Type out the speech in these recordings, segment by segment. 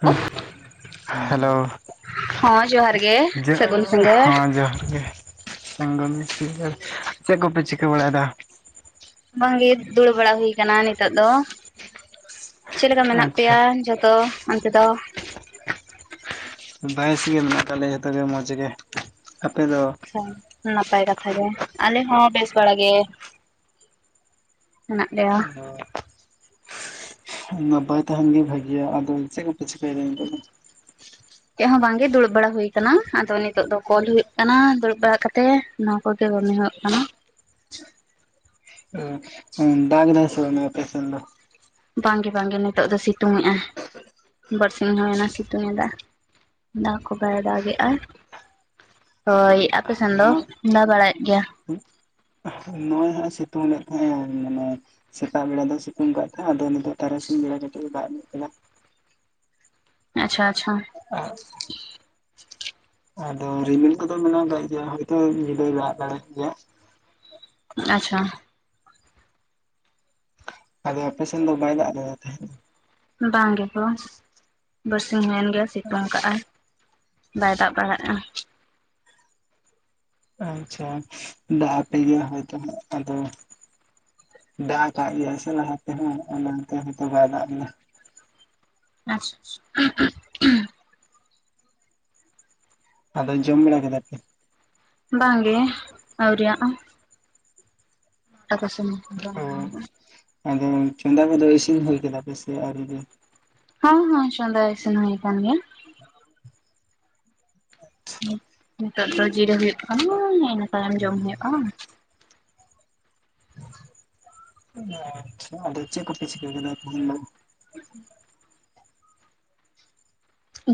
ᱦᱮᱸ ᱦᱮᱞᱳ ᱦᱮ ᱦᱚᱸ ᱡᱚᱦᱟᱨ ᱜᱮ ᱥᱟᱹᱜᱩᱱ ᱥᱤᱸᱜᱟᱹᱲ ᱡᱚᱦᱟᱨ ᱜᱮ ᱪᱮᱫ ᱠᱚᱯᱮ ᱪᱤᱠᱟᱹ ᱵᱟᱲᱟᱭᱮᱫᱟ ᱵᱟᱝᱜᱮ ᱫᱩᱲᱩᱵ ᱵᱟᱲᱟ ᱦᱩᱭ ᱠᱟᱱᱟ ᱱᱤᱛᱚᱜ ᱫᱚ ᱪᱮᱫ ᱞᱮᱠᱟ ᱢᱮᱱᱟᱜ ᱟᱪᱪᱷᱟ ᱯᱮᱭᱟ ᱛᱚ ᱚᱱᱛᱮ ᱫᱚ ᱵᱮᱥ ᱜᱮ ᱢᱮᱱᱟᱜ ᱠᱟᱜ ᱞᱮᱭᱟ ᱡᱚᱛᱚ ᱜᱮ ᱢᱚᱡᱽ ᱜᱮ ᱟᱯᱮ ᱫᱚ ᱟᱪᱪᱷᱟ ᱱᱟᱯᱟᱭ ᱠᱟᱛᱷᱟ ᱜᱮ ᱟᱞᱮ ᱦᱚᱸ ᱵᱮᱥ ᱵᱟᱲᱟ ᱜᱮ ᱦᱮᱱᱟᱜ ᱞᱮᱭᱟ ᱱᱟᱯᱟᱭ ᱛᱟᱦᱮᱱ ᱜᱮ ᱵᱷᱟᱹᱜᱮᱭᱟ ᱟᱫᱚ ᱪᱮᱫ ᱠᱚᱸᱯᱮ ᱪᱤᱠᱟᱹᱭᱮᱫᱟ ᱱᱤᱛᱚᱜ ᱫᱚ ᱪᱮᱫ ᱦᱚᱸ ᱵᱟᱝᱜᱮ ᱫᱩᱲᱩᱵ ᱵᱟᱲᱟ ᱦᱩᱭ ᱟᱠᱟᱱᱟ ᱟᱫᱚ ᱱᱤᱛᱚᱜ ᱫᱚ ᱠᱚᱞ ᱦᱩᱭᱩᱜ ᱠᱟᱱᱟ ᱫᱩᱲᱩᱵ ᱵᱟᱲᱟ ᱠᱟᱛᱮ ᱱᱚᱣᱟ ᱠᱚᱜᱮ ᱠᱟᱹᱢᱤ ᱦᱩᱭᱩᱜ ᱠᱟᱱᱟ ᱫᱟᱜ ᱮᱫᱟ ᱥᱮ ᱵᱟᱝ ᱟᱯᱮ ᱥᱮᱫ ᱫᱚ ᱵᱟᱝᱜᱮ ᱵᱟᱝᱜᱮ ᱱᱤᱛᱚᱜ ᱫᱚ ᱥᱤᱛᱩᱝ ᱮᱜᱼᱟ ᱵᱟᱨᱥᱤᱧ ᱦᱩᱭᱮᱱᱟ ᱥᱤᱛᱩᱝ ᱮᱫᱟ ᱫᱟᱜ ᱠᱚ ᱵᱟᱭ ᱫᱟᱜᱽ ᱮᱜ ᱼᱟ ᱦᱳᱭ ᱟᱯᱮ ᱥᱮᱱ ᱫᱚ ᱱᱚᱣᱟ ᱫᱟ ᱵᱟᱲᱟᱭᱮᱫ ᱜᱮᱭᱟ ᱱᱚᱜ ᱚᱭ ᱦᱟᱸᱜ ᱥᱤᱛᱩᱝ ᱞᱮᱫ ᱛᱟᱦᱮᱸᱜᱼᱟ ᱢᱟᱱᱮ ᱥᱮᱛᱟᱜ ᱵᱮᱲᱟ ᱫᱚ ᱥᱤᱛᱩᱝ ᱟᱠᱟᱫ ᱛᱟᱦᱮᱸᱜ ᱟᱫᱚ [unintelligible] ᱟᱪᱪᱷᱟ ᱟᱪᱪᱷᱟ ᱾ ᱚ [unintelligible] ᱟᱫᱚ ᱨᱤᱢᱤᱞ ᱠᱚᱫᱚ ᱢᱮᱱᱟᱜ ᱟᱠᱟᱫ ᱜᱮᱭᱟ ᱦᱳᱭᱛᱚ ᱧᱤᱫᱟᱹᱭ ᱫᱟᱜ ᱫᱟᱲᱮᱭᱟᱜ ᱜᱮᱭᱟ ᱾ ᱟᱪᱪᱷᱟ ᱾ ᱟᱫᱚ ᱟᱯᱮ ᱥᱮᱱ ᱫᱚ ᱵᱟᱭ ᱫᱟᱜ ᱟᱠᱟᱫ ᱛᱟᱦᱮᱸ ᱫᱚ ᱵᱟᱝ ᱜᱮ ᱠᱚᱥ ᱵᱟᱨᱥᱤᱧ ᱦᱩᱭᱮᱱ ᱜᱮᱭᱟ ᱥᱤᱛᱩᱝ ᱠᱟᱜᱟᱭ ᱾ ᱵᱟᱭ ᱫᱟᱵ ᱵᱟᱲᱟᱜᱼᱟ ᱾ ᱟᱪᱪᱷᱟ ᱾ ᱫᱟᱜ ᱟᱯᱮ ᱜᱮ ᱦᱚᱭᱛᱳ ᱦᱟᱜ ᱟᱫᱚ ᱫᱟᱜ ᱠᱟᱜ ᱜᱮᱭᱟᱭ ᱥᱮ ᱞᱟᱦᱟ ᱛᱮ ᱦᱚᱸ ᱚᱱᱟᱛᱮ ᱦᱳᱭᱛᱚ ᱵᱟᱭ ᱫᱟᱜ ᱮᱱᱟ ᱟᱪᱪᱷᱟ ᱾ [unintelligible] ᱟᱫᱚ ᱡᱚᱢ ᱵᱟᱲᱟ ᱠᱮᱫᱟ ᱵᱟᱝ ᱜᱮ ᱟᱶᱨᱤᱭᱟᱜᱼᱟ ᱟᱠᱚ ᱥᱚᱢᱚᱭ ᱦᱩᱭᱩᱜᱼᱟ ᱚ ᱟᱫᱚ ᱪᱚᱸᱫᱟ ᱠᱚᱫᱚ ᱤᱥᱤᱱ ᱦᱩᱭ ᱠᱮᱫᱟ ᱯᱮ ᱥᱮ ᱟᱹᱣᱨᱤ ᱜᱮ? ᱦᱚᱸᱦᱚᱸ ᱪᱚᱸᱫᱟ ᱤᱥᱤᱱ ᱦᱩᱭ ᱠᱟᱱ ᱜᱮᱭᱟ ᱾ [unintelligible] ᱱᱤᱛᱚᱜ ᱫᱚ ᱡᱤᱨᱟᱹ ᱦᱩᱭᱩᱜ ᱠᱟᱱᱟ ᱤᱱᱟᱹ ᱛᱟᱭᱚᱢ ᱡᱚᱢ ᱦᱩᱭᱩᱜᱼᱟ ᱾ ᱟᱪᱪᱷᱟ ᱾ ᱟᱫᱚ ᱪᱮᱫ ᱠᱚᱯᱮ ᱪᱤᱠᱟᱹ ᱠᱮᱫ?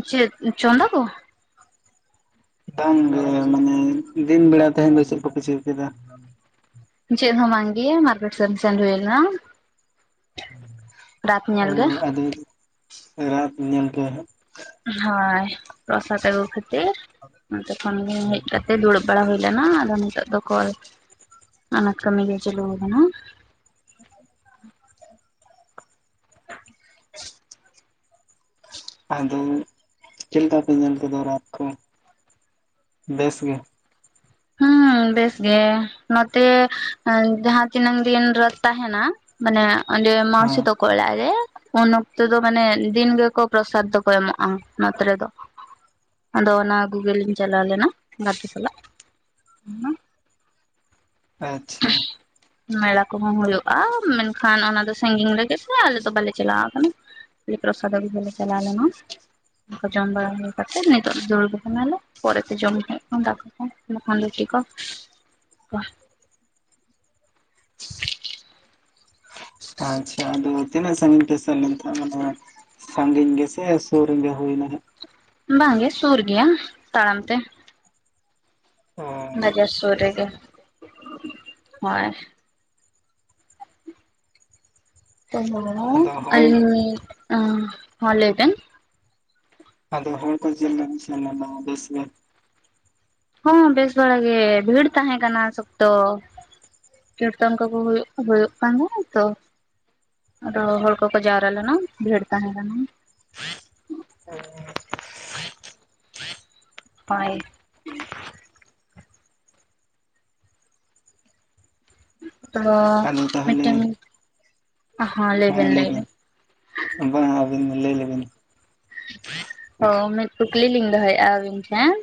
ᱪᱮᱫ ᱪᱚᱸᱫᱟ ᱠᱚ ᱵᱟᱝᱜ ᱢᱟᱱᱮ ᱫᱤᱱ ᱵᱮᱲᱟ ᱛᱮᱦᱮᱱ ᱫᱚ ᱪᱮᱫ ᱠᱚᱯᱮ ᱪᱤᱠ ᱠᱮᱫᱟ? ᱪᱮᱫ ᱦᱚᱸ ᱵᱟᱝ ᱜᱮ ᱢᱟᱨᱠᱮᱴ ᱥᱮᱱ ᱦᱩᱭ ᱞᱮᱱᱟ ᱨᱟᱛ ᱚ ᱧᱮᱞ ᱜᱮ ᱟᱫᱚ ᱧᱮᱞ ᱠᱮᱭᱟ ᱦᱟᱸᱜ ᱦᱳᱭ ᱯᱨᱚᱥᱟᱫ ᱟᱹᱜᱩ ᱠᱷᱟᱹᱛᱤᱨ ᱚᱱᱛᱮ ᱠᱷᱚᱱ ᱦᱮᱡ ᱠᱟᱛᱮ ᱫᱩᱲᱩᱵ ᱵᱟᱲᱟ ᱦᱩᱭ ᱞᱮᱱᱟ ᱟᱫᱚ ᱱᱤᱛᱚᱜ ᱫᱚᱠᱚᱞ ᱚᱱᱟ ᱠᱟᱹᱢᱤ ᱜᱮ ᱪᱟᱹᱞᱩ ᱟᱠᱟᱱᱟ [unintelligible] ᱟᱫᱚ ᱪᱮᱫ ᱞᱮᱠᱟ ᱯᱮ ᱧᱮᱞ ᱠᱮᱫᱚ ᱨᱟᱛᱷ ᱠᱚ ᱵᱮᱥ ᱜᱮ ᱦᱮᱸ ᱵᱮᱥ ᱜᱮ ᱱᱚᱛᱮ ᱡᱟᱦᱟᱸ ᱛᱤᱱᱟᱹᱝ ᱫᱤᱱ ᱨᱮ ᱛᱟᱦᱮᱱᱟ ᱢᱟᱱᱮ ᱚᱸᱰᱮ ᱢᱳᱣᱥᱤ ᱦᱮᱸ ᱛᱚᱠᱚ ᱚᱲᱟ ᱨᱮ ᱩᱱ ᱚᱠᱛᱚ ᱫᱚ ᱢᱟᱱᱮ ᱫᱤᱱ ᱜᱮ ᱠᱚ ᱯᱨᱚᱥᱟᱫᱽ ᱫᱚᱠᱚ ᱮᱢᱚᱜᱼᱟ ᱱᱚᱛᱮ ᱨᱮ ᱫᱚ ᱾ ᱟᱫᱚ ᱚᱱᱟ ᱟᱹᱜᱩ ᱜᱮ ᱞᱤᱧ ᱪᱟᱞᱟᱣ ᱞᱮᱱᱟ ᱜᱟᱛᱮ ᱥᱟᱞᱟᱜ ᱾ ᱦᱮᱸ [unintelligible] ᱟᱪᱪᱷᱟ ᱾ ᱢᱮᱞᱟ ᱠᱚᱦᱚᱸ ᱦᱩᱭᱩᱜᱼᱟ ᱢᱮᱱᱠᱷᱟᱱ ᱚᱱᱟ ᱫᱚ ᱥᱟᱺᱜᱤᱧ ᱨᱮᱜᱮ ᱥᱮ ᱟᱞᱮ ᱫᱚ ᱵᱟᱞᱮ ᱪᱟᱞᱟᱣ ᱟᱠᱟᱱᱟ ᱾ ᱯᱨᱚᱥᱟᱫ ᱟᱹᱜᱩ ᱜᱮ ᱞᱮ ᱪᱟᱞᱟᱣ ᱞᱮᱱᱟ ᱚᱱᱟ ᱠᱚ ᱡᱚᱢ ᱵᱟᱲᱟ ᱦᱩᱭ ᱠᱟᱛᱮ ᱱᱤᱛᱚᱜ ᱫᱚ ᱫᱩᱲᱵ ᱟᱠᱟᱱᱟᱞᱮ ᱾ ᱯᱚᱨᱮᱛᱮ ᱡᱚᱢ ᱦᱩᱭᱩᱜ ᱫᱟᱠᱟ ᱠᱚ ᱵᱟᱠᱷᱚᱱ ᱨᱩᱴᱤ ᱠᱚ ᱾ [inaudible] ᱟᱪᱪᱷᱟ ᱾ ᱟᱫᱚ ᱛᱤᱱᱟᱹᱜ ᱥᱟᱹᱝᱜᱤᱧ ᱯᱮ ᱥᱮᱱ ᱞᱮᱱ ᱛᱟᱦᱮᱱ ᱢᱟᱱᱮ ᱥᱟᱺᱜᱤᱧ ᱜᱮᱥᱮ ᱥᱩᱨ ᱨᱮᱜᱮ ᱦᱩᱭ ᱱᱟ ᱦᱟᱸᱜ ᱵᱟᱝᱜᱮ ᱥᱩᱨ ᱜᱮᱭᱟ ᱛᱟᱲᱟᱢ ᱛᱮ ᱾ ᱚ ᱵᱟᱡᱟᱨ ᱥᱩᱨ ᱨᱮᱜᱮ ᱾ ᱦᱳᱭ ᱾ ᱟᱫᱚ [unintelligible] ᱦᱚᱲ ᱟᱞᱤᱧ ᱦᱮᱸ ᱞᱟᱹᱭ ᱵᱮᱱ ᱟᱫᱚ ᱦᱚᱲ ᱠᱚ ᱪᱮ ᱞᱮᱠᱟ ᱠᱚ ᱥᱮᱱ ᱞᱮᱱᱟ ᱵᱮᱥ ᱜᱮ ᱦᱚᱸ ᱵᱮᱥ ᱵᱟᱲᱟ ᱜᱮ ᱵᱷᱤᱲ ᱛᱟᱦᱮᱸ ᱠᱟᱱᱟ ᱥᱚᱠᱛᱚ ᱾ ᱠᱤᱨᱛᱚᱱ ᱠᱚ ᱠᱚ ᱦᱩᱭᱩᱜ ᱦᱩᱭᱩᱜ ᱠᱟᱱᱟ ᱛᱚ ᱟᱨ ᱦᱚᱲ ᱠᱚᱠᱚ ᱡᱟᱣᱨᱟ ᱞᱮᱱᱟ ᱵᱷᱤᱲ ᱛᱟᱦᱮᱸ ᱠᱟᱱᱟ ᱾ ᱦᱮᱸ ᱾ ᱦᱳᱭ ᱛᱚ ᱟᱫᱚ ᱛᱟᱦᱚᱞᱮ ᱢᱤᱫᱴᱟᱝ ᱦᱮᱸ ᱞᱟᱹᱭ ᱵᱤᱱ ᱵᱟᱝ ᱟᱹᱵᱤᱱ ᱞᱟᱹᱭ ᱞᱮᱵᱤᱱ ᱚ ᱢᱤᱫ ᱠᱩᱠᱞᱤ ᱞᱤᱧ ᱫᱚᱦᱚᱭᱮᱫᱼᱟ ᱟᱹᱵᱤᱱ ᱴᱷᱮᱱ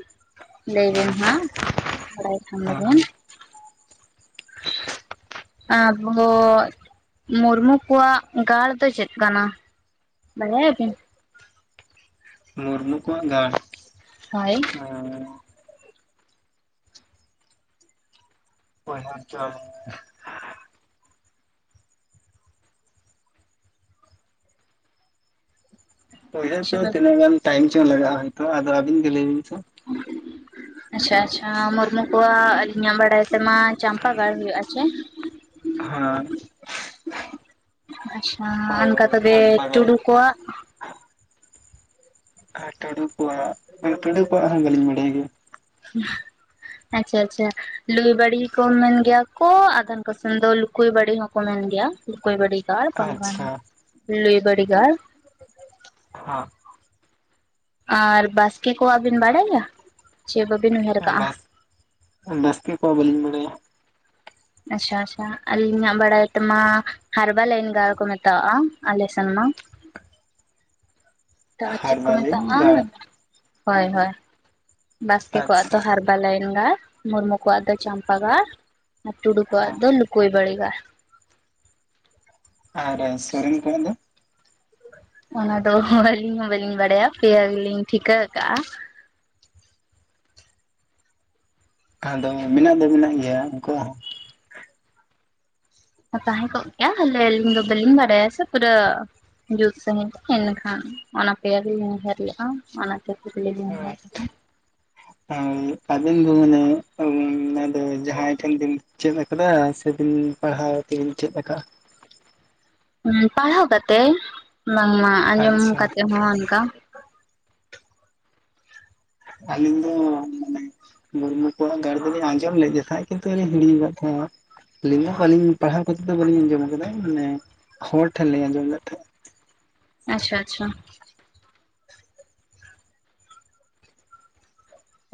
ᱞᱟᱹᱭ ᱵᱤᱱ ᱦᱮᱸ ᱦᱟᱸᱜ ᱵᱟᱲᱟᱭ ᱠᱷᱟᱱ ᱫᱚᱵᱮᱱ ᱦᱮᱸ [unintelligible] ᱟᱵᱚ [unintelligible] ᱢᱩᱨᱢᱩ ᱠᱚᱣᱟᱜ ᱜᱟᱲ ᱫᱚ ᱪᱮᱫ ᱠᱟᱱᱟ ᱵᱟᱲᱟᱭᱟᱵᱤᱱ? ᱟᱠᱚᱣᱟᱜ ᱜᱟᱲ ᱦᱚᱭ ᱟᱨ [unintelligible] [unintelligible] ᱩᱭᱦᱟᱹᱨ ᱥᱮ ᱫᱚ ᱵᱟᱵᱤᱱ ᱛᱤᱱᱟᱹᱜ ᱜᱟᱱ ᱴᱟᱭᱤᱢ ᱪᱚᱝ ᱞᱟᱜᱟᱜᱼᱟ ᱟᱵᱤᱱ ᱜᱮ ᱞᱟᱹᱭ ᱵᱤᱱ ᱛᱚ ᱟᱪᱪᱷᱟ ᱟᱪᱪᱷᱟ ᱢᱩᱨᱢᱩ ᱠᱚᱣᱟᱜ ᱟᱹᱞᱤᱧᱟᱜ ᱵᱟᱲᱟᱭ ᱛᱮᱢᱟ ᱪᱟᱢᱯᱟ ᱜᱟᱲ ᱦᱩᱭᱩᱜ ᱟᱥᱮ ᱦᱮᱸ ᱟᱪᱪᱷᱟ ᱾ ᱪᱟᱢᱯᱟ ᱜᱟᱲ ᱜᱮ ᱴᱩᱰᱩ ᱠᱚᱣᱟᱜ ᱴᱩᱰ ᱩᱠᱚᱣᱟᱜ ᱦᱚᱸ ᱵᱟᱹᱞᱤᱧ ᱵᱟᱰᱟᱭ ᱜᱮᱭᱟ ᱟᱪᱪᱷᱟ ᱟᱪᱪᱷᱟ ᱞᱩᱭ ᱵᱟᱲᱤ ᱠᱚ ᱢᱮᱱ ᱜᱮᱭᱟ ᱠᱚ ᱟᱫᱷᱮᱱ ᱠᱚᱥᱮᱢ ᱫᱚ ᱞᱩᱠᱩᱭ ᱵᱟᱲᱤ ᱦᱚᱸᱠᱚ ᱢᱮᱱ ᱜᱮᱭᱟ ᱞᱩᱠᱩᱭ ᱵᱟᱹᱲᱤ ᱜᱟᱲ ᱵᱟᱝᱠᱷᱟᱱ ᱟᱪᱪᱷᱟ ᱞᱩᱭ ᱵᱟᱹᱲᱤ ᱜᱟᱲ ᱦᱟ ᱟᱨ ᱵᱟᱥᱠᱮ ᱠᱚᱣᱟᱜ ᱵᱤᱱ ᱵᱟᱲᱟᱭᱟ ᱪᱮ ᱵᱟᱹᱵᱤᱱ ᱩᱭᱦᱟᱹᱨ ᱦᱚᱸ ᱠᱟᱜᱼᱟ᱾ ᱵᱟᱥ ᱵᱟᱥᱠᱮ ᱠᱚᱣᱟ ᱵᱟᱹᱞᱤᱧ ᱵᱟᱲᱟᱭᱟ᱾ ᱟᱪᱪᱷᱟ ᱟᱪᱪᱷᱟ ᱟᱹᱞᱤᱧᱟᱜ ᱵᱟᱲᱟᱭ ᱛᱮᱢᱟ ᱦᱟᱨᱵᱟᱞᱟᱭᱟᱱ ᱜᱟᱲ ᱠᱚ ᱢᱮᱛᱟᱣᱟᱜᱼᱟ ᱟᱞᱮ ᱥᱮᱱ ᱢᱟ [inaudible] ᱛᱚ ᱪᱮᱫ ᱠᱚ ᱦᱟᱨᱵᱟᱞᱤᱧ ᱢᱮᱛᱟᱜᱼᱟ ᱫᱟᱲᱟ ᱦᱳᱭ ᱦᱳᱭ ᱵᱟᱥᱠᱮ ᱠᱚᱣᱟᱜ ᱫᱚ ᱟᱪᱪᱷᱟ ᱦᱟᱨᱼᱼ ᱯᱟᱞᱟᱭᱮᱱ ᱜᱟᱲ ᱢᱩᱨᱢᱩ ᱠᱚᱣᱟᱜ ᱫᱚ ᱪᱟᱢᱯᱟ ᱜᱟᱲ ᱟᱨ ᱴᱩᱰᱩ ᱠᱚᱣᱟᱜ ᱫᱚ ᱞᱩᱠᱩᱭ ᱵᱟᱲᱤᱜᱟᱲ ᱟᱨ ᱥᱚᱨᱮᱱ ᱠᱚᱣᱟᱜ ᱫᱚ? ᱚᱱᱟ ᱫᱚ ᱟᱹᱞᱤᱧ ᱦᱚᱸ ᱵᱟᱹᱞᱤᱧ ᱵᱟᱲᱟᱭᱟ ᱯᱮᱭᱟ ᱜᱮᱞᱤᱧ ᱴᱷᱤᱠᱟᱹ ᱟᱠᱟᱜᱼᱟ᱾ ᱟᱫᱚ ᱢᱮᱱᱟᱜ ᱫᱚ ᱢᱮᱱᱟᱜ ᱜᱮᱭᱟ ᱩᱱᱠᱩᱣᱟᱜ ᱦᱚᱸ᱾ ᱛᱟᱦᱮᱸ ᱠᱚᱜ ᱠᱮᱭᱟ ᱟᱞᱮ ᱟᱹᱞᱤᱧ ᱫᱚ ᱵᱟᱹᱞᱤᱧ ᱵᱟᱲᱟᱭᱟ ᱥᱮ ᱯᱩᱨᱟᱹ ᱡᱩᱛ ᱥᱟᱺᱦᱤᱡ ᱛᱮ ᱮᱱᱟᱠᱷᱟᱱ ᱚᱱᱟ ᱯᱮᱭᱟ ᱜᱤᱞᱤᱧ ᱩᱭᱦᱟᱹᱨ ᱞᱮᱫᱼᱟ ᱦᱚᱸ ᱦᱳᱭ ᱟᱵᱤᱱ ᱫᱚ ᱢᱟᱱᱮ ᱚᱱᱟ ᱡᱟᱦᱟᱸᱭ ᱴᱷᱮᱱ ᱵᱤᱱ ᱪᱮᱫ ᱟᱠᱟᱫᱟ ᱥᱮᱵᱤᱱ ᱯᱟᱲᱦᱟᱣ ᱛᱮᱵᱮᱱ ᱪᱮᱫ ᱟᱠᱟᱫᱟ ᱯᱟᱲᱦᱟᱣ ᱠᱟᱛᱮᱜ ᱵᱟᱝᱢᱟ ᱟᱸᱡᱚᱢ ᱟᱪᱪᱷᱟ ᱠᱟᱛᱮᱜ ᱦᱚᱸ ᱚᱱᱠᱟ ᱟᱞᱤᱧ ᱫᱚ ᱢᱟᱱᱮ ᱢᱩᱨᱢᱩ ᱠᱚᱣᱟᱜ ᱜᱟᱨ ᱫᱚᱞᱤᱧ ᱟᱸᱡᱚᱢ ᱞᱮᱫ ᱛᱟᱦᱮᱸᱫ ᱠᱤᱱᱛᱩᱞᱤᱧ ᱦᱤᱲᱤᱧ ᱟᱠᱟᱫ ᱛᱟᱦᱮᱸᱫ ᱟᱹᱞᱤᱧ ᱫᱚ ᱟᱹᱞᱤᱧ ᱯᱟᱲᱦᱟᱣ ᱠᱟᱛᱮᱫ ᱫᱚ ᱵᱟᱹᱞᱤᱧ ᱟᱸᱡᱚᱢ ᱟᱠᱟᱫᱟ ᱢᱟᱱᱮ ᱦᱚᱲ ᱴᱷᱮᱱ ᱞᱤᱧ ᱟᱸᱡᱚᱢ ᱞᱮᱫ ᱛᱟᱦᱮᱸᱫ ᱟᱪᱪᱷᱟ ᱟᱪᱪᱷᱟ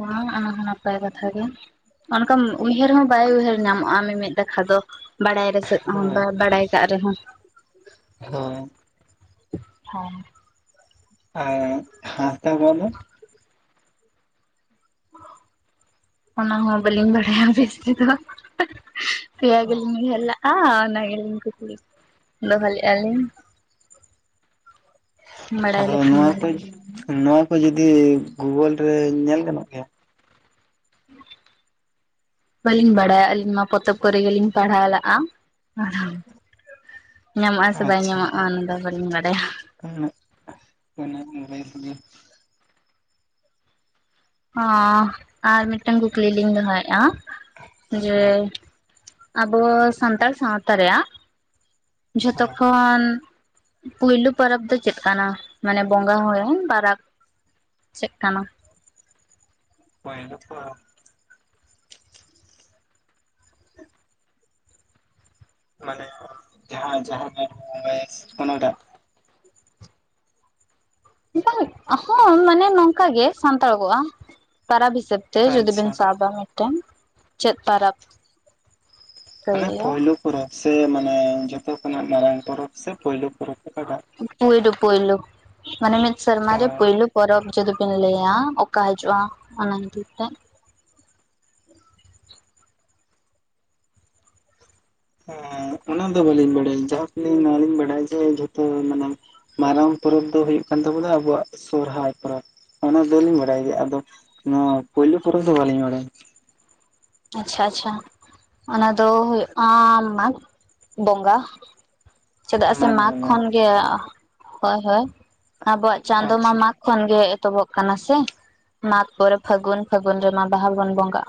ᱵᱟᱝ ᱚᱱᱟ ᱦᱚᱸ ᱱᱟᱯᱟᱭ ᱠᱟᱛᱷᱟ ᱜᱮ ᱚᱱᱠᱟ ᱩᱭᱦᱟᱹᱨ ᱦᱚᱸ ᱵᱟᱭ ᱩᱭᱦᱟᱹᱨ ᱧᱟᱢᱚᱜᱼᱟ [unintelligible] ᱫᱚ ᱵᱟᱲᱟᱭ ᱨᱮᱥ ᱦᱚᱸ ᱦᱳᱭ ᱵᱟᱲᱟᱭ ᱠᱟᱜ ᱨᱮᱦᱚᱸ ᱦᱳᱭ ᱦᱮᱸ ᱟᱨ ᱦᱟᱥᱫᱟ ᱵᱚᱞᱼᱼ [unintelligible] ᱚᱱᱟ ᱦᱚᱸ ᱵᱟᱹᱞᱤᱧ ᱵᱟᱲᱟᱭᱟ ᱵᱮᱥ ᱛᱮᱫᱚ ᱯᱮᱭᱟ ᱜᱮᱞᱤᱧ ᱩᱤᱦᱟᱨ ᱞᱟ ᱦᱟ ᱚᱱᱟᱜᱮᱞᱤᱧ [unintelligible] ᱠᱩᱥᱤᱞᱤ ᱫᱚᱦᱚᱞᱮᱜ ᱟᱞᱤᱧ ᱵᱟᱲᱟᱭ ᱟᱫᱚ ᱞᱮᱠᱷᱟᱱ ᱱᱚᱣᱟ ᱠᱚ ᱞᱤᱧ ᱱᱚᱣᱟ ᱠᱚ ᱡᱩᱫᱤ ᱜᱩᱜᱩᱞ ᱨᱮ ᱧᱮᱞ ᱜᱟᱱᱚᱜ ᱜᱮᱭᱟ [inaudible] ᱵᱟᱹᱞᱤᱧ ᱵᱟᱲᱟᱭᱟ ᱟᱹᱞᱤᱧ ᱢᱟ ᱯᱚᱛᱚᱵ ᱠᱚᱨᱮ ᱜᱮᱞᱤᱧ ᱯᱟᱲᱦᱟᱣ ᱞᱟᱜᱼᱟ ᱟᱨ ᱧᱟᱢᱚᱜᱼᱟ ᱥᱮ ᱵᱟᱭ ᱟᱪᱪᱷᱟ ᱧᱟᱢᱚᱜᱼᱟ ᱚᱱᱟ ᱫᱚ ᱵᱟᱹᱞᱤᱧ ᱵᱟᱲᱟᱭᱟ᱾ [unintelligible] ᱚᱸ ᱟᱨ ᱢᱤᱫᱴᱟᱝ ᱠᱩᱠᱞᱤ ᱞᱤᱧ ᱫᱚᱦᱚᱭᱮᱫᱼᱟ ᱡᱮ ᱦᱮᱸ ᱟᱵᱚᱻ ᱥᱟᱱᱛᱟᱲ ᱥᱟᱶᱛᱟ ᱨᱮᱭᱟᱜ ᱡᱷᱚᱛᱚ ᱦᱮᱸ ᱠᱷᱚᱱᱻ ᱯᱩᱭᱞᱩ ᱯᱚᱨᱚᱵ ᱫᱚ ᱪᱮᱫ ᱠᱟᱱᱟ ᱢᱟᱱᱮ ᱵᱚᱸᱜᱟ [unintelligible] ᱪᱮᱫ ᱠᱟᱱᱟ [unintelligible] ᱢᱟᱱᱮ ᱡᱟᱦᱟᱸ ᱡᱟᱦᱟᱸ ᱴᱟᱜ ᱵᱷᱚᱭᱮᱥ [unintelligible] ᱚᱱᱟᱴᱟᱜ? [unintelligible] ᱦᱚᱸ ᱢᱟᱱᱮ ᱱᱚᱝᱠᱟ ᱜᱮ ᱥᱟᱱᱛᱟᱲ ᱠᱚᱜᱼᱟ ᱾ ᱯᱟᱨᱟᱵᱽ ᱦᱤᱥᱟᱹᱵ, ᱛᱮ ᱡᱩᱫᱤ ᱵᱮᱱ ᱟᱪᱪᱷᱟ ᱥᱟᱵᱟ, ᱢᱤᱫᱴᱮᱱ ᱪᱮᱫ ᱯᱟᱨᱟᱵᱽ? ᱢᱟᱱᱮ ᱯᱳᱭᱞᱩ ᱯᱚᱨᱚᱵ ᱥᱮ ᱢᱟᱱᱮ ᱡᱷᱚᱛᱚ ᱠᱷᱚᱱᱟᱜ ᱢᱟᱨᱟᱝ ᱯᱚᱨᱚᱵ ᱥᱮ ᱯᱩᱭᱞᱩ ᱯᱚᱨᱚᱵ ᱚᱠᱟᱴᱟᱜ? ᱯᱩᱭᱞᱩ ᱯᱩᱭᱞᱩ ᱢᱟᱱᱮ ᱢᱤᱫ ᱥᱮᱨᱢᱟ ᱚ ᱨᱮ ᱯᱩᱭᱞᱩ ᱯᱚᱨᱚᱵ ᱡᱚᱫᱤ ᱵᱤᱱ ᱞᱟᱹᱭᱟ ᱚᱠᱟ ᱦᱤᱡᱩᱜᱼᱟ ᱚᱱᱟ ᱤᱫᱤ ᱛᱮ ᱦᱮᱸ ᱚᱱᱟ ᱫᱚ ᱵᱟᱹᱞᱤᱧ ᱵᱟᱲᱟᱭᱟ᱾ ᱡᱟᱦᱟ ᱠᱚᱞᱤᱧ ᱱᱚᱣᱟ ᱞᱤᱧ ᱵᱟᱲᱟᱭ-ᱟ᱾ ᱡᱮ ᱡᱷᱚᱛᱚ ᱢᱟᱱᱮ, ᱢᱟᱨᱟᱝ ᱯᱚᱨᱚᱵ ᱫᱚ ᱦᱩᱭᱩᱜ ᱠᱟᱱ ᱛᱟᱵᱚᱱᱟ ᱟᱵᱚᱣᱟᱜ ᱥᱚᱦᱨᱟᱭ ᱯᱚᱨᱚᱵ ᱚᱱᱟ ᱫᱚᱞᱤᱧ ᱵᱟᱲᱟᱭ ᱜᱮᱭᱟ ᱟᱫᱚ ᱱᱚᱣᱟ ᱯᱳᱞᱮ ᱯᱚᱨᱮ ᱫᱚ ᱵᱟᱞᱤᱧ ᱵᱟᱰᱟᱭᱟ ᱟᱪᱪᱷᱟ ᱟᱪᱪᱷᱟ ᱚᱱᱟ ᱫᱚ ᱦᱩᱭᱩᱜ-ᱟ ᱢᱟᱜᱽ ᱵᱚᱸᱜᱟ ᱪᱮᱫᱟᱜ ᱥᱮ ᱵᱟᱝ ᱢᱟᱜᱽ ᱵᱟᱝ ᱠᱷᱚᱱ ᱜᱮ ᱦᱳᱭ ᱦᱳᱭ ᱟᱵᱚᱣᱟᱜ ᱪᱟᱸᱫᱳ ᱢᱟ ᱟᱪᱪᱷᱟ ᱢᱟᱜᱽ ᱠᱷᱚᱱ ᱜᱮ ᱮᱛᱚᱵᱚᱜ ᱠᱟᱱᱟ ᱥᱮ ᱢᱟᱜᱽ ᱯᱚᱨᱮ ᱯᱷᱟᱹᱜᱩᱱ ᱯᱷᱟᱹᱜᱩᱱ ᱨᱮᱢᱟ ᱵᱟᱦᱟ ᱵᱚᱱ ᱵᱚᱸᱜᱟᱜᱼᱟ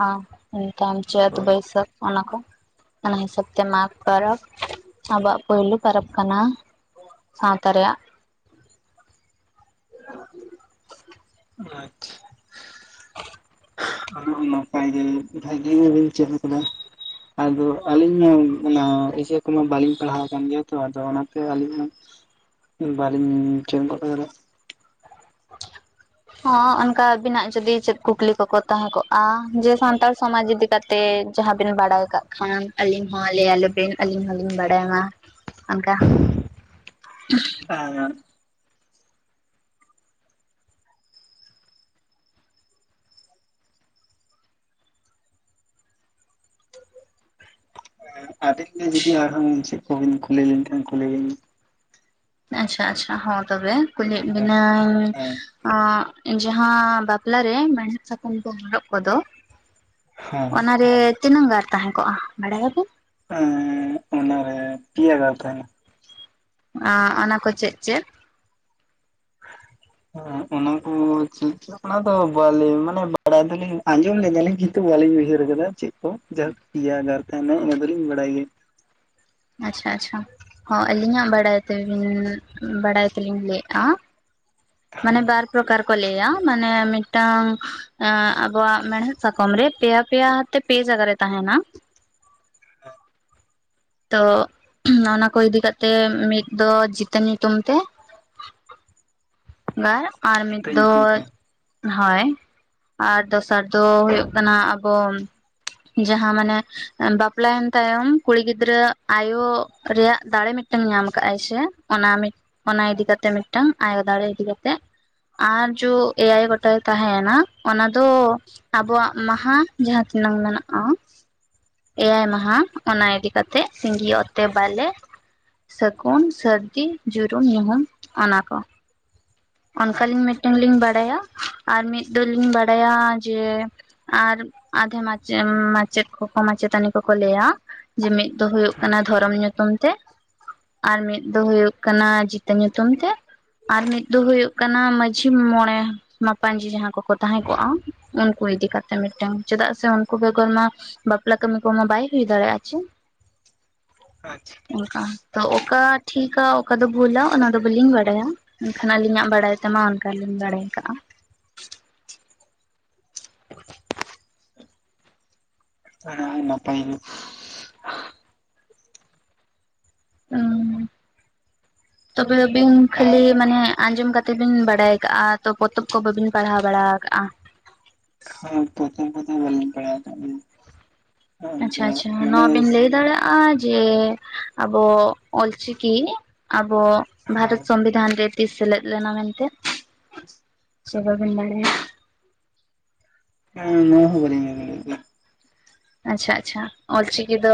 ᱢᱤᱫᱴᱟᱝ ᱪᱟᱹᱛ ᱦᱳᱭ ᱵᱟᱹᱭᱥᱟᱹᱠ ᱚᱱᱟ ᱠᱚ ᱚᱱᱟ ᱦᱤᱥᱟᱹᱵ ᱛᱮ ᱢᱟᱜᱽ ᱯᱟᱨᱚᱵᱽ ᱟᱵᱚᱣᱟᱜ ᱯᱩᱭᱞᱩ ᱯᱟᱨᱚᱵ ᱠᱟᱱᱟ ᱥᱟᱶᱛᱟ ᱨᱮᱭᱟᱜ ᱟᱸᱪᱪᱷᱟ [inaudible] ᱟ ᱱᱟᱯᱟᱭ ᱜᱮ ᱵᱷᱟᱜᱤᱵᱤᱱ ᱪᱮᱫ ᱟᱠᱟᱫᱟ᱾ ᱟᱫᱚ ᱟᱹᱞᱤᱧ ᱢᱟ, ᱚᱱᱟ ᱤᱥᱟᱹ ᱠᱚᱢᱟ ᱵᱟᱹᱞᱤᱧ ᱯᱟᱲᱦᱟᱣ ᱟᱠᱟᱱ ᱜᱮᱭᱟ᱾ ᱛᱚ ᱟᱫᱚ ᱚᱱᱟᱛᱮ ᱟᱹᱞᱤᱧ ᱢᱟ ᱵᱟᱹᱞᱤᱧᱻ ᱪᱮᱫ ᱜᱚᱫ ᱠᱟᱫᱟ [inaudible] ᱦᱚᱸ ᱚᱱᱠᱟ ᱟᱵᱤᱱᱟᱜ ᱡᱩᱫᱤ ᱪᱮᱫ ᱠᱩᱠᱞᱤ ᱠᱚ ᱠᱚ ᱛᱟᱦᱮᱸ ᱠᱚᱜᱼᱟ ᱡᱮ ᱥᱟᱱᱛᱟᱲ ᱥᱚᱢᱟᱡ ᱡᱩᱫᱤ ᱛᱮ ᱡᱟᱦᱟᱸ ᱵᱮᱱ ᱵᱟᱲᱟᱭ ᱠᱟᱜ ᱠᱷᱟᱱ ᱟᱹᱞᱤᱧ ᱦᱚᱸ ᱞᱟᱹᱭ ᱟᱞᱮ ᱵᱤᱱ ᱟᱹᱞᱤᱧ ᱦᱚᱞᱤᱧ ᱵᱟᱲᱟᱭᱟ ᱚᱱᱠᱟ [inaudible] ᱟᱵᱮᱱ ᱜᱮ ᱡᱩᱫᱤ ᱟᱨᱦᱚᱸ ᱾ ᱪᱮᱫ ᱠᱚᱵᱤᱱ ᱠᱩᱞᱤ ᱞᱮᱱᱠᱷᱟᱱ ᱠᱩᱞᱤ ᱵᱤᱱ ᱟᱪᱪᱷᱟ ᱟᱪᱪᱷᱟ ᱦᱚᱸ ᱛᱚᱵᱮ ᱠᱩᱞᱤᱭᱮᱫ ᱵᱤᱱᱟᱹᱧᱻ ᱦᱮᱸ ᱚᱸᱜᱻ ᱡᱟᱦᱟᱸ ᱵᱟᱯᱞᱟ ᱨᱮ ᱢᱮᱬᱦᱮᱫ ᱥᱟᱠᱟᱢ ᱠᱚ ᱦᱚᱨᱚᱜ ᱠᱚᱫᱚ ᱦᱮᱸ ᱚᱱᱟᱨᱮᱻ ᱛᱤᱱᱟᱹᱝ ᱜᱟᱨ ᱛᱟᱦᱮᱸ ᱠᱚᱜᱼᱟ ᱵᱟᱲᱟᱭᱟ ᱵᱮᱱ ᱮᱸᱻ ᱚᱱᱟᱨᱮ ᱯᱮᱭᱟ ᱠᱟᱛᱮ, ᱟᱻ ᱚᱱᱟ ᱠᱚ ᱪᱮᱫ ᱪᱮᱫ ᱚᱱᱟ ᱠᱚ ᱪᱮᱫ ᱚᱱᱟ ᱫᱚ ᱵᱟᱹᱞᱤ ᱢᱟᱱᱮ ᱵᱟᱲᱟᱭ ᱫᱚᱞᱤᱧ ᱟᱸᱡᱚᱢ ᱞᱮᱫᱟᱞᱤᱧ ᱠᱤᱱᱛᱩ ᱵᱟᱹᱞᱤᱧ ᱩᱭᱦᱟᱹᱨ ᱠᱟᱫᱟ ᱪᱮᱫ ᱯᱤᱭᱟ ᱜᱟᱨ ᱛᱟᱦᱮᱱᱟ ᱚᱱᱟ ᱫᱚᱞᱤᱧ ᱵᱟᱲᱟᱭ ᱜᱮᱭᱟ ᱟᱪᱪᱷᱟ ᱟᱪᱪᱷᱟ ᱦᱚᱸ ᱟᱹᱞᱤᱧᱟᱜ ᱵᱟᱲᱟᱭ ᱛᱮᱵᱤᱱ ᱵᱟᱲᱟᱭ ᱛᱮᱞᱤᱧ ᱞᱟᱹᱭᱮᱫᱼᱟ ᱢᱟᱱᱮ ᱵᱟᱨ ᱯᱨᱚᱠᱟᱨ ᱠᱚ ᱞᱟᱹᱭᱟ ᱢᱟᱱᱮ ᱢᱤᱫᱴᱟᱝ ᱮᱸ ᱟᱵᱚᱣᱟ-ᱜ ᱢᱮᱲᱦᱮᱫ ᱥᱟᱠᱟᱚᱢ ᱨᱮ, ᱯᱮᱭᱟ - ᱯᱮᱭᱟ ᱛᱮ ᱯᱮ ᱡᱟᱭᱜ-ᱟ ᱨᱮ ᱛᱟᱦᱮᱱᱟ᱾ ᱛᱚᱻ ᱚᱱᱟ ᱠᱚ ᱤᱫᱤ ᱠᱟᱛᱮ ᱢᱤᱫ ᱫᱚ ᱪᱤᱛᱟᱹᱱ ᱧᱩᱛᱩᱢ ᱛᱮ [inaudible] ᱜᱟᱨ ᱟᱨ ᱢᱤᱫ ᱡᱤᱛᱟᱹ ᱫᱚ ᱧᱩᱛᱩᱢ ᱛᱮ ᱦᱚᱭ ᱟᱨ ᱫᱚᱥᱟᱨ ᱫᱚ ᱦᱩᱭᱩᱜ ᱠᱟᱱᱟ ᱟᱵᱚ ᱡᱟᱦᱟ ᱢᱟᱱᱮ ᱵᱟᱯᱞᱟᱭᱮᱱ ᱛᱟᱭᱚᱢ ᱠᱩᱲᱤ ᱜᱤᱫᱽᱨᱟᱹ ᱟᱭᱳᱻ ᱨᱮᱭᱟᱜ ᱫᱟᱲᱮ ᱢᱤᱫᱴᱟᱝ ᱧᱟᱢ ᱠᱟᱜ ᱟᱭ ᱥᱮ ᱚᱱᱟ ᱢᱤᱫ ᱚᱱᱟ ᱤᱫᱤ ᱠᱟᱛᱮ ᱢᱤᱫᱴᱟᱝ ᱟᱭᱳ ᱫᱟᱲᱮ ᱤᱫᱤ ᱠᱟᱛᱮᱜ ᱟᱨ ᱡᱳ ᱮᱭᱟᱭ ᱜᱚᱴᱟᱭ ᱛᱟᱦᱮᱱᱟ ᱚᱱᱟ ᱫᱚ ᱟᱵᱚᱣᱟᱜ ᱢᱟᱦᱟ ᱡᱟᱦᱟ ᱛᱤᱱᱟᱹᱝ ᱢᱮᱱᱟᱜᱼᱟ ᱮᱭᱟᱭ ᱢᱟᱦᱟ ᱚᱱᱟ ᱤᱫᱤ ᱠᱟᱛᱮᱫ ᱥᱤᱸᱜᱤ ᱚᱛᱮ ᱵᱟᱞᱮ ᱥᱟᱹᱜᱩᱱ ᱥᱟᱹᱨᱫᱤ ᱡᱩᱨᱩᱢ ᱧᱩᱦᱩᱢ ᱚᱱᱟ ᱠᱚ ᱚᱱᱠᱟᱞᱤᱧ ᱟᱪᱪᱷᱟ ᱢᱤᱫᱴᱮᱱ ᱞᱤᱧ ᱵᱟᱲᱟᱭᱟ ᱟᱨ ᱢᱤᱫ ᱫᱚᱞᱤᱧ ᱵᱟᱲᱟᱭᱟ ᱡᱮ ᱟᱨ ᱟᱫᱷᱮ ᱢᱟᱪᱮᱫ ᱢᱟᱪᱮᱫ ᱠᱚ ᱢᱟᱪᱮᱛᱟᱹᱱᱤ ᱠᱚᱠᱚ ᱞᱟᱹᱭᱟ ᱡᱮ ᱢᱤᱫ ᱫᱚ ᱦᱩᱭᱩᱜ ᱠᱟᱱᱟ ᱫᱷᱚᱨᱚᱢ ᱧᱩᱛᱩᱢ ᱛᱮ ᱟᱨ ᱢᱤᱫ ᱫᱚ ᱦᱩᱭᱩᱜ ᱠᱟᱱᱟ ᱡᱤᱛᱟᱹ ᱧᱩᱛᱩᱢ ᱛᱮ ᱟᱨ ᱢᱤᱫ ᱫᱚ ᱦᱩᱭᱩᱜ ᱠᱟᱱᱟ ᱢᱟᱹᱡᱷᱤ ᱢᱚᱬᱮ ᱢᱟᱯᱟᱡᱤ ᱡᱟᱦᱟᱸ ᱠᱚᱠᱚ ᱛᱟᱦᱮᱸ ᱠᱚᱜᱼᱟ ᱩᱱᱠᱩ ᱤᱫᱤ ᱠᱟᱛᱮᱜ ᱢᱤᱫᱴᱮᱱ ᱪᱮᱫᱟᱜ ᱥᱮ ᱩᱱᱠᱩ ᱵᱮᱜᱚᱨ ᱢᱟ ᱵᱟᱯᱞᱟ ᱠᱟᱹᱢᱤ ᱠᱚᱢᱟ ᱵᱟᱭ ᱦᱩᱭ ᱫᱟᱲᱮᱭᱟᱜᱼᱟ ᱪᱮ ᱟᱪᱪᱷᱟ ᱚᱱᱠᱟ ᱛᱚ ᱚᱠᱟ ᱴᱷᱤᱠᱟ ᱚᱠᱟ ᱫᱚ ᱵᱷᱩᱞᱟ ᱚᱱᱟᱫᱚ ᱵᱟᱹᱞᱤᱧ ᱵᱟᱰᱟᱭᱟ ᱮᱱᱠᱷᱟᱱ ᱟᱹᱞᱤᱧᱟ-ᱜ ᱵᱟᱲᱟᱭ ᱛᱮᱢᱟ, ᱚᱱᱠᱟ ᱞᱤᱧ ᱵᱟᱲᱟᱭ ᱠᱟᱜᱼᱟ᱾ ᱚᱱᱟ ᱦᱚᱸ ᱱᱟᱯᱟᱭ ᱜᱮ [unintelligible] ᱛᱚᱵᱮ ᱟᱵᱤᱱ ᱠᱷᱟᱹᱞᱤ ᱟᱨ ᱢᱟᱱᱮ ᱟᱸᱡᱚᱢ ᱠᱟᱛᱮ ᱛᱮᱵᱤᱱ ᱵᱟᱲᱟᱭ ᱠᱟᱜᱼᱟ ᱛᱚ ᱯᱚᱛᱚᱵ ᱠᱚ ᱵᱟ ᱵᱤᱱ ᱯᱟᱲᱦᱟᱣ ᱵᱟᱲᱟ ᱠᱟᱜᱼᱟ ᱯᱚᱛᱚᱵ ᱠᱚ ᱫᱚ ᱵᱚᱞᱟᱧ ᱯᱟᱲᱦᱟᱣᱜ ᱟᱠᱟᱫ ᱟᱞᱮᱧ ᱟᱪᱪᱷᱟ ᱟᱪᱪᱷᱟ ᱱᱚᱣᱟ ᱵᱤᱱ ᱞᱟᱹᱭ ᱫᱟᱲᱮᱭᱟᱜᱼᱟ ᱟᱨ ᱡᱮ ᱟᱵᱚ ᱚᱞᱪᱤᱠᱤ ᱟᱵᱚ ᱵᱷᱟᱨᱚᱛ ᱥᱚᱝᱵᱤᱫᱷᱟᱱ ᱨᱮ ᱛᱤᱥ ᱥᱮᱞᱮᱫ ᱞᱮᱱᱟ ᱢᱮᱱᱛᱮ ᱪᱮ ᱵᱟ ᱵᱤᱱ ᱵᱟᱲᱟᱭᱟ? ᱱᱩᱭᱟ ᱦᱚᱸ ᱵᱟᱞᱤᱱ ᱵᱟᱰᱟᱭᱟ ᱟᱪᱪᱷᱟ ᱟᱪᱪᱷᱟ ᱚᱞᱪᱤᱠᱤ ᱫᱚ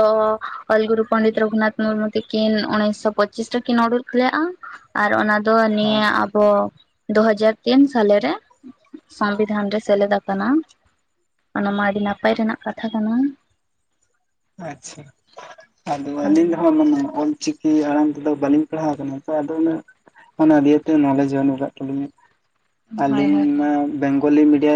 ᱚᱞ ᱜᱩᱨᱩ ᱯᱚᱱᱰᱤᱛ ᱨᱚᱜᱷᱩᱱᱟᱛᱷ ᱢᱩᱨᱢᱩ ᱛᱟᱠᱤᱱ ᱩᱱᱤᱥᱚ [unintelligible] ᱟᱨ ᱚᱱᱟ ᱫᱚ ᱱᱤᱭᱟᱹ ᱦᱮᱸ ᱟᱵᱚ ᱫᱩ ᱦᱟᱡᱟᱨ ᱛᱤᱱ ᱥᱟᱞᱮᱨᱮ ᱥᱚᱝᱵᱤᱫᱷᱟᱱ ᱨᱮ ᱥᱮᱞᱮᱫ ᱟᱠᱟᱱᱟ ᱚᱱᱟᱢᱟ ᱟᱹᱰᱤ ᱱᱟᱯᱟᱭ ᱨᱮᱱᱟᱜ ᱠᱟᱛᱷᱟ ᱠᱟᱱᱟ ᱟᱪᱪᱷᱟ ᱟᱫᱚ ᱦᱳᱭ ᱟᱹᱞᱤᱧ ᱫᱚ ᱦᱟᱜ ᱢᱟᱱᱮ ᱚᱞᱪᱤᱠᱤ ᱪᱤᱠᱤ ᱟᱲᱟᱝ ᱛᱮᱫᱚ ᱵᱟᱹᱞᱤᱧ ᱯᱟᱲᱦᱟᱣ ᱟᱠᱟᱱᱟ ᱛᱚ ᱟᱫᱚ ᱩᱱᱟᱹᱜ ᱚᱱᱟ ᱫᱤᱭᱛᱮ ᱱᱚᱞᱮᱡᱽ ᱵᱟᱹᱱᱩᱜ ᱠᱟᱜ ᱛᱟᱹᱞᱤᱧᱟ ᱟᱹᱞᱤᱧ ᱢᱟ ᱵᱮᱝᱜᱚᱞᱤ ᱢᱤᱰᱤᱭᱟᱢ